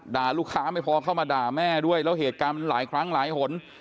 ด่าลูกค้าไม่พอเข้ามาด่าแม่ด้วยแล้วเหตุการณ์มันหลายครั้งหลายหน